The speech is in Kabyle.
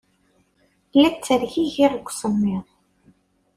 La ttergigiɣ seg usemmiḍ.